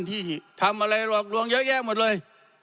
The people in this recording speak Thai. ที่ทำอะไรหลอกลวงเยอะแยะหมดเลย